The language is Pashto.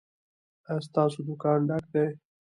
ایا ستاسو دکان ډک دی؟